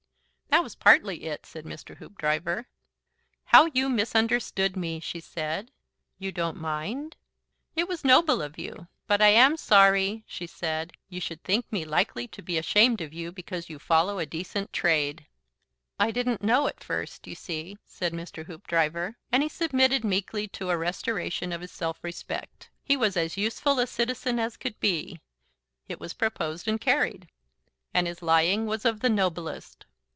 "That was partly it," said Mr. Hoopdriver. "How you misunderstood me!" she said. "You don't mind?" "It was noble of you. But I am sorry," she said, "you should think me likely to be ashamed of you because you follow a decent trade." "I didn't know at first, you see," said Mr. Hoopdriver. And he submitted meekly to a restoration of his self respect. He was as useful a citizen as could be, it was proposed and carried, and his lying was of the noblest.